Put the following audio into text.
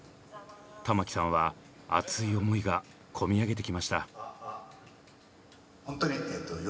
玉置さんは熱い思いが込み上げてきました。